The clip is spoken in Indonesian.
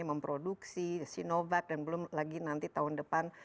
memproduksi sinovac dan belum lagi nanti tahun depan